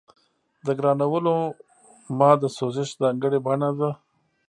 د ګرانولوما د سوزش ځانګړې بڼه ده.